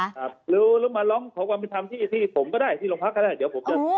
ครับหรือไปลองขอความิยุทธรรมที่ผมก็ได้ที่หลวงพักละ